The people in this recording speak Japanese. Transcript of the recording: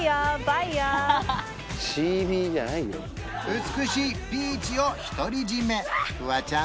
美しいビーチを独り占めフワちゃん